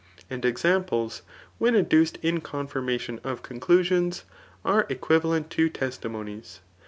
And examples when adduced in confirmation of conclusions are equivalent to tesdmonies.